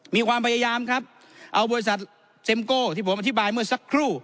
มีความพยายามครับเอาบริษัทเซ็มโก้ที่ผมอธิบายเมื่อสักครู่